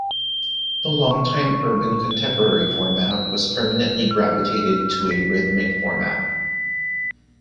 The longtime urban contemporary format was permanently gravitated to a rhythmic format.